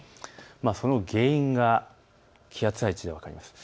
その原因が気圧配置で分かります。